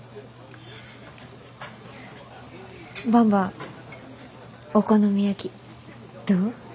ばんばお好み焼きどう？